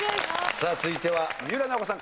さあ続いては三浦奈保子さん